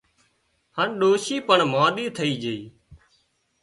هانَ ڏوشي پڻ مانۮِي ٿئي جھئي